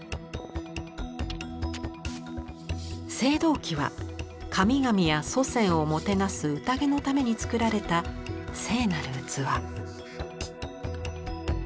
青銅器は神々や祖先をもてなす宴のために作られた聖なる器。